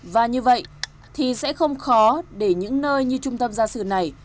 và như vậy thì sẽ không khó để những nơi như trung tâm gia sự này